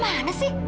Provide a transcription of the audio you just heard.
mau ke mana sih